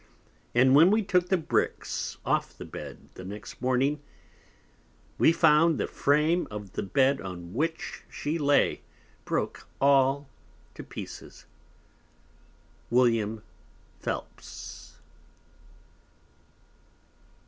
And when we took the Bricks off the Bed the next Morning, we found the Frame of the Bed on which she lay broke all to pieces. _William Phelps.